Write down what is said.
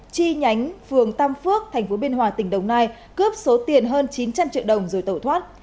chi nhánh phường tam phước tp biên hòa tỉnh đồng nai cướp số tiền hơn chín trăm linh triệu đồng rồi tẩu thoát